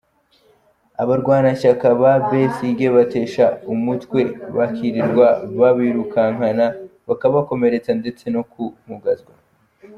Abarwanashyaka ba Besigye bateshwa umutwe, bakirirwa babirukankana bakabakomeretsa ndetse no kumugazwa.